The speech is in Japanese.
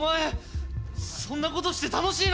そんなことして楽しいのかよ？